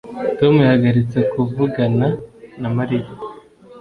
Tom yahagaritse kuvugana na Mariya